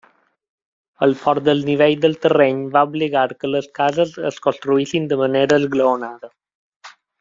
El fort desnivell del terreny va obligar que les cases es construïssin de manera esglaonada.